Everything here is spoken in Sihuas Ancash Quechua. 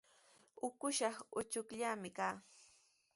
Ukushnaw uchukllami kaa.